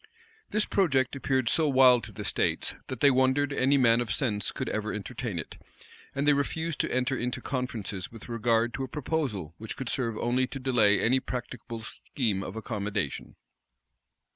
{1654.} This project appeared so wild to the states, that they wondered any man of sense could ever entertain it; and they refused to enter into conferences with regard to a proposal which could serve only to delay any practicable scheme of accommodation.